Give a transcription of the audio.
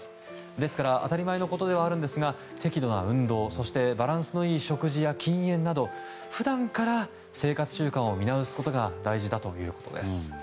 ですから、当たり前のことではあるんですが適度な運動そしてバランスのいい食事や禁煙など、普段から生活習慣を見直すことが大事だということです。